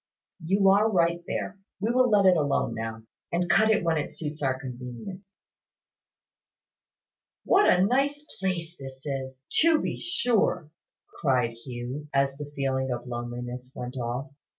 "You are right there. We will let it alone now, and cut it when it suits our convenience." "What a nice place this is, to be sure!" cried Hugh, as the feeling of loneliness went off.